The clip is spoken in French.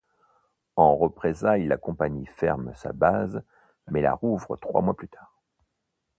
En représailles, la compagnie ferme sa base mais la rouvre trois mois plus tard.